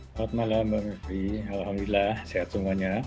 selamat malam mbak mepri alhamdulillah sehat semuanya